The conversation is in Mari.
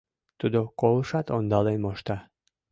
— Тудо колышат ондален мошта...